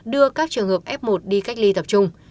đưa các trường hợp f một đi cách ly tập trung